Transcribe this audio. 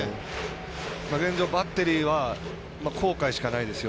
現状、バッテリーは後悔しかないですよ。